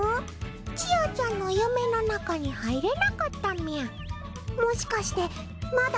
ちあちゃんの夢の中に入れなかったみゃ。